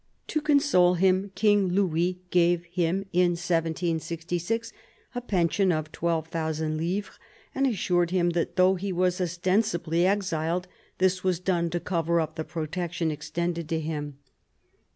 To console him King Louis gave him in 1766 a pension of 12,000 livres, and assured him that though he was ostensibly exiled this was done to cover up the protection extended to him.